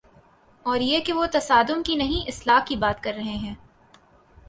اوریہ کہ وہ تصادم کی نہیں، اصلاح کی بات کررہی ہے۔